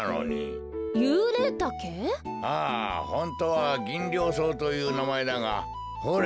ああホントはギンリョウソウというなまえだがほれ